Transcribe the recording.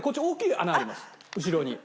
後ろに。